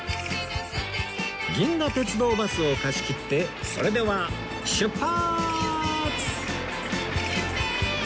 銀河鉄道バスを貸し切ってそれでは出発！